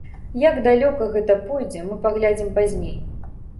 Як далёка гэта пойдзе, мы паглядзім пазней.